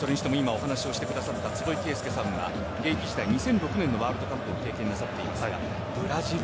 今、お話をしてくださった坪井慶介さんが現役時代２００６年のワールドカップ経験をなさっています。